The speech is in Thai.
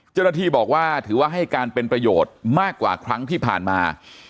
เจ้าหน้าที่บอกว่าถือว่าให้การเป็นประโยชน์มากกว่าครั้งที่ผ่านมา